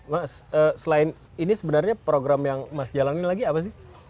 mas selain ini sebenarnya program yang mas jalanin lagi apa sih